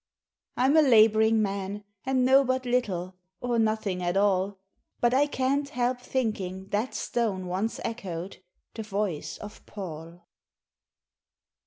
"I'm a labouring man, and know but little, Or nothing at all; But I can't help thinking that stone once echoed The voice of Paul."